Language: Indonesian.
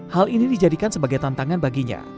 hal ini dijadikan sebagai tantangan baginya